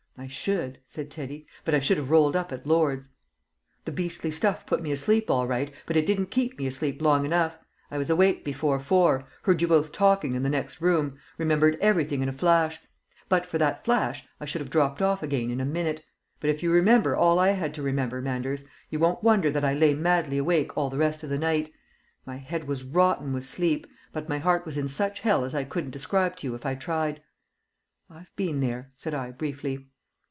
I should," said Teddy, "but I should have rolled up at Lord's! The beastly stuff put me asleep all right, but it didn't keep me asleep long enough! I was awake before four, heard you both talking in the next room, remembered everything in a flash! But for that flash I should have dropped off again in a minute; but if you remember all I had to remember, Manders, you won't wonder that I lay madly awake all the rest of the night. My head was rotten with sleep, but my heart was in such hell as I couldn't describe to you if I tried." "I've been there," said I, briefly.